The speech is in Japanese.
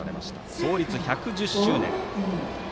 創立１１０周年。